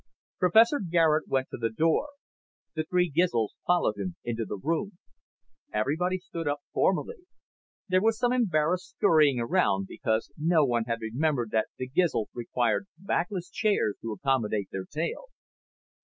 Professor Garet went to the door. The three Gizls followed him into the room. Everyone stood up formally. There was some embarrassed scurrying around because no one had remembered that the Gizls required backless chairs to accommodate their tails.